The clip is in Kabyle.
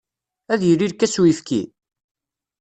Ad yili lkas uyefki?